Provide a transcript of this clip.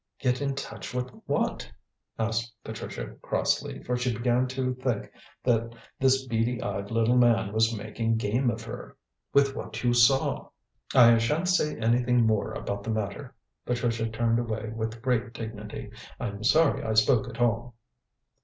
"Get in touch with what?" asked Patricia crossly, for she began to think that this beady eyed little man was making game of her. "With what you felt; with what you saw." "I shan't say anything more about the matter." Patricia turned away with great dignity. "I'm sorry I spoke at all."